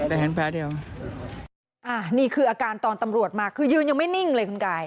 อ้าวนี่คืออาการตอนตำรวจมาคือยืนยังไม่นิ่งเลยคุณกาย